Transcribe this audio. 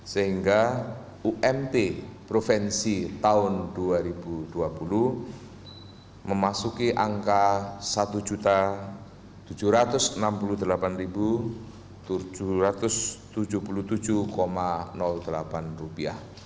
sehingga umpt provinsi tahun dua ribu dua puluh memasuki angka rp satu tujuh ratus enam puluh delapan tujuh ratus tujuh puluh tujuh delapan